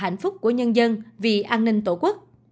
hạnh phúc của nhân dân vì an ninh tổ quốc